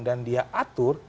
dan dia atur